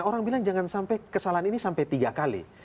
orang bilang jangan sampai kesalahan ini sampai tiga kali